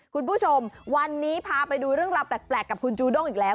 คุณผู้ชมวันนี้พาไปดูเรื่องราวแปลกกับคุณจูด้งอีกแล้ว